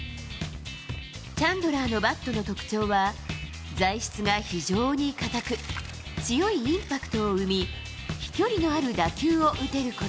チャンドラーのバットの特徴は、材質が非常に硬く、強いインパクトを生み、飛距離のある打球を打てること。